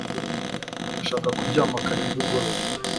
Ndashaka kuryama kare nimugoroba